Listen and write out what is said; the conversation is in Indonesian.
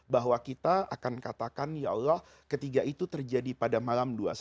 bahwa kita akan katakan ya allah ketiga itu terjadi pada malam dua puluh satu